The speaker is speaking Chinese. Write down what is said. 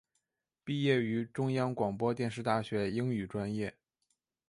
毕业于中央广播电视大学英语专业。